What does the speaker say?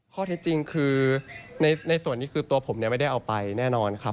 ข้อเท็จจริงคือในส่วนนี้คือตัวผมไม่ได้เอาไปแน่นอนครับ